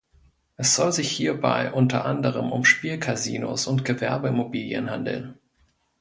Es soll sich hierbei unter anderem um Spielcasinos und Gewerbeimmobilien handeln.